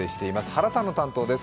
原さんの担当です。